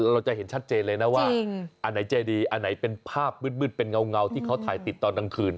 เราจะเห็นชัดเจนเลยนะว่าอันไหนใจดีอันไหนเป็นภาพมืดเป็นเงาที่เขาถ่ายติดตอนกลางคืน